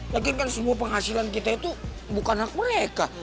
lagi kan semua penghasilan kita itu bukan hak mereka